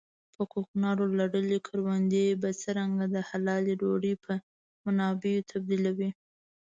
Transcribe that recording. په کوکنارو لړلې کروندې به څرنګه د حلالې ډوډۍ په منابعو تبديلوو.